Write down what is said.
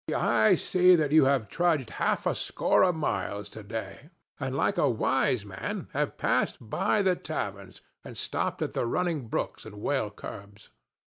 I see that you have trudged half a score of miles to day, and like a wise man have passed by the taverns and stopped at the running brooks and well curbs.